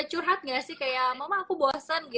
curhat gak sih kayak mama aku bosen